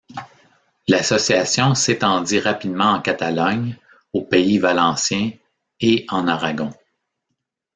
L'association s'étendit rapidement en Catalogne, au pays Valencien et en Aragon.